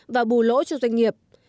và bù lỗ cho doanh nghiệp